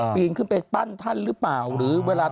ปีนขึ้นไปปั้นท่านหรือเปล่า